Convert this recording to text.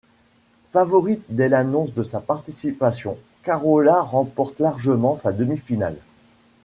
Favorite dès l'annonce de sa participation, Carola remporte largement sa demi-finale.